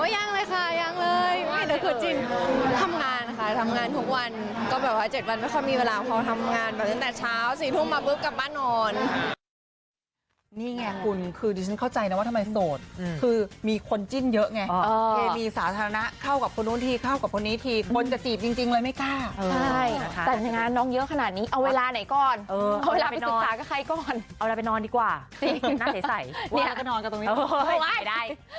ยังเลยค่ะโอ๊ยอย่างเลยเดี๋ยวขู่จิ้นท้องงานค่ะท้องงานทุกวัน๗วันไม่ก็มีเวลาเพราะว่างั้นแต่ช้า